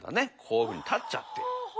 こういうふうに立っちゃってる。